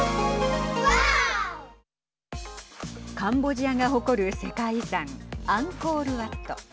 カンボジアが誇る世界遺産アンコール・ワット。